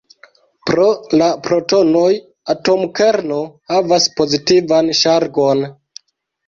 Pro la protonoj, atomkerno havas pozitivan ŝargon.